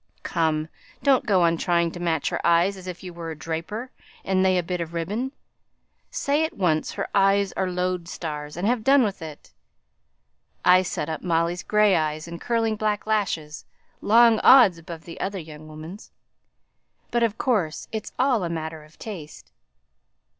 "Come, don't go on trying to match her eyes as if you were a draper, and they a bit of ribbon; say at once 'her eyes are loadstars,' and have done with it! I set up Molly's grey eyes and curling black lashes, long odds above the other young woman's; but, of course, it's all a matter of taste."